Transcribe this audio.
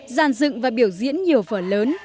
giàn dựng và biểu diễn nhiều vở lớn